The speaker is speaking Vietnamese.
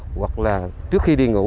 hoặc là trước khi đi ngủ